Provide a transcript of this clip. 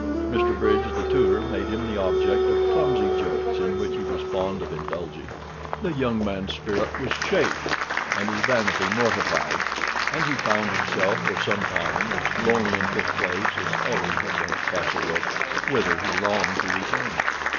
Mr. Bridge, the tutor, made him the object of clumsy jokes, in which he was fond of indulging. The young man's spirit was chafed, and his vanity mortified; and he found himself, for some time, as lonely in this place as ever he had been at Castlewood, whither he longed to return.